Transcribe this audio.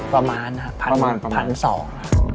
ประมาณครับพันสอง